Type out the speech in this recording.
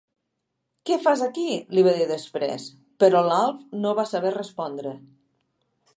Què fas aquí? —li va dir després, però l'Alf no va saber respondre.